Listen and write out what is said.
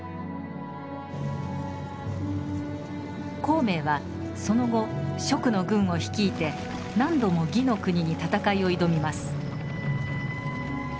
孔明はその後蜀の軍を率いて何度も魏の国に戦いを挑みます。